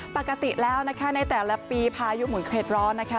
ปกติแล้วนะคะในแต่ละปีพายุหมุนเคล็ดร้อนนะคะ